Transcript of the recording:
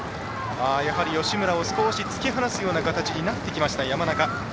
やはり吉村を少し突き放すような形になってきました山中。